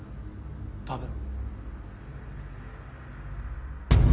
多分。